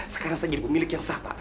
sekarang saya jadi pemilik yang usaha pak